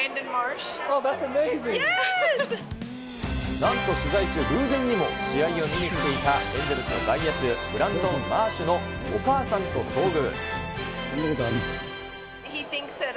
なんと取材中、偶然にも、試合を見に来ていたエンゼルスの外野手、ブランドン・マーシュのお母さんと遭遇。